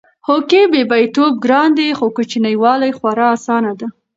هو کې! بيبيتوب ګران دی خو کچنۍ واله خورا اسانه ده